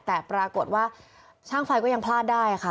แต่ปรากฏว่าช่างไฟก็ยังพลาดได้ค่ะ